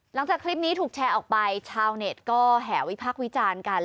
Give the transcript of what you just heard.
หลังจากคลิปนี้ถูกแชร์ออกไปชาวเน็ตก็แห่วิพักษ์วิจารณ์กัน